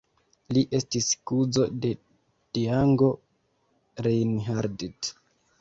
Li estis kuzo de Django Reinhardt.